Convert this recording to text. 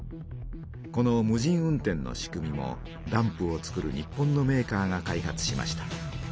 この無人運転の仕組みもダンプをつくる日本のメーカーが開発しました。